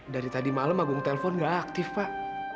dari tadi malam agung telpon gak aktif pak